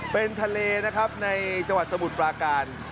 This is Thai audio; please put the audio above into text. เป็นทะเลนะครับในจังหวัดสมุทรปราการ